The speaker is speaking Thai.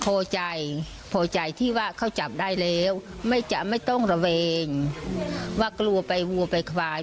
พอใจพอใจที่ว่าเขาจับได้แล้วไม่จะไม่ต้องระเวงว่ากลัวไปวัวไปควาย